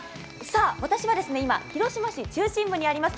私は今、広島市中心部にあります